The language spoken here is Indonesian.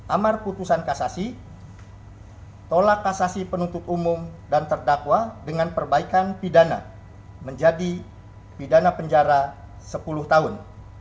amar putusan kasasi tolak kasasi penuntut umum dan terdakwa dengan perbaikan pidana menjadi pidana penjara sepuluh tahun